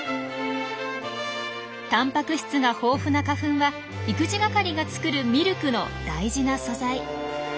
たんぱく質が豊富な花粉は育児係が作るミルクの大事な素材。